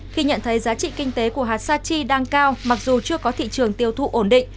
khi nhận thấy giá trị kinh tế của hạt sa chi đang cao mặc dù chưa có thị trường tiêu thụ ổn định